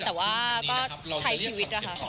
แต่ว่าก็ใช้ชีวิตนะคะ